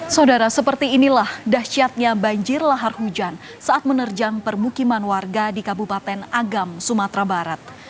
saudara seperti inilah dahsyatnya banjir lahar hujan saat menerjang permukiman warga di kabupaten agam sumatera barat